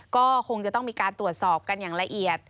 ก็คงจะต้องมีการตรวจสอบกันอย่างละเอียด